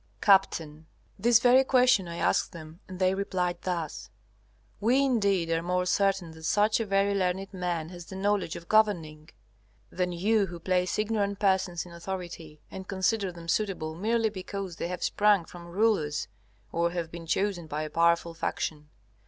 Capt. This very question I asked them and they replied thus: "We, indeed, are more certain that such a very learned man has the knowledge of governing, than you who place ignorant persons in authority, and consider them suitable merely because they have sprung from rulers or have been chosen by a powerful faction.